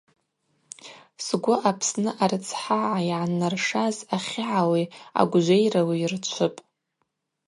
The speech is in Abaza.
Сгвы Апсны арыцхӏагӏа йгӏаннаршаз ахьыгӏали агвжвейрали йырчвыпӏ.